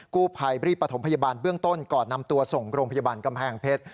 กู้ภัยรีบประถมพยาบาลเบื้องต้นก่อนนำตัวส่งโรงพยาบาลกำแพงเพชร